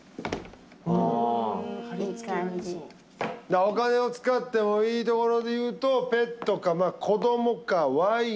だからお金を使ってもいいところで言うとペットか子どもかワインか。